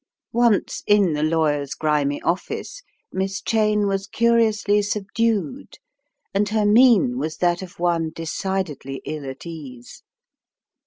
Once in the lawyer's grimy office, Miss Cheyne was curiously subdued, and her mien was that of one decidedly ill at ease.